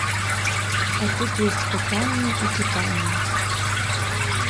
А тут ёсць пытанні і пытанні.